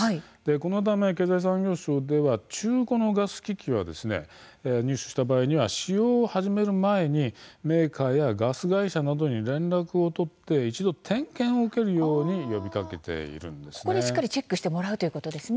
このため経済産業省では中古のガス機器を入手した場合には使用を始める前にメーカーやガス会社などに連絡を取って一度点検を受けるようにここでしっかりチェックしてもらうということですね。